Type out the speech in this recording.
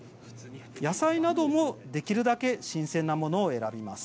野菜などもできるだけ新鮮なものを選びます。